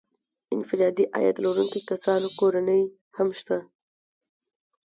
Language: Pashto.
د انفرادي عاید لرونکو کسانو کورنۍ هم شته